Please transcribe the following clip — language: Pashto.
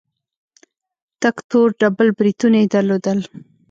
تک تور ډبل برېتونه يې درلودل.